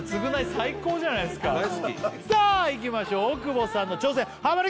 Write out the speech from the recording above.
最高じゃないっすかさあいきましょう大久保さんの挑戦ハモリ